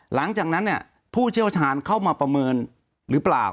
หลังจากนั้นเนี่ยผู้เชี่ยวชาญเข้ามาประเมินหรือเปล่า